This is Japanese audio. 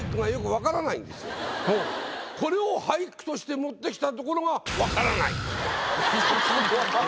これを俳句として持ってきたところがはははっ。